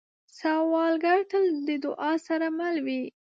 سوالګر تل د دعا سره مل وي